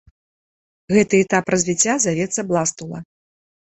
Гэты этап развіцця завецца бластула.